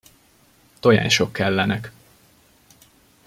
Tojások kellenek.